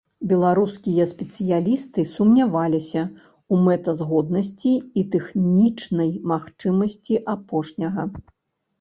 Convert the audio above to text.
Беларускія спецыялісты сумняваліся ў мэтазгоднасці і тэхнічнай магчымасці апошняга.